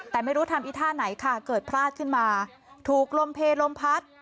แต่ไม่รู้ทำอีท่าไหนค่ะเกิดพลาดขึ้นมาถูกลมเพลลมพัด